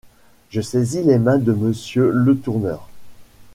Je saisis les mains de Monsieur Letourneur…